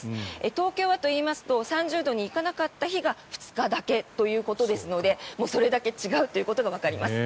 東京はといいますと３０度に行かなかった日が２日だけということですからそれだけ違うということがわかります。